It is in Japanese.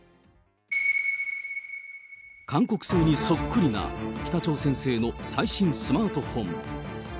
韓国製にそっくりな、北朝鮮製の最新スマートフォン。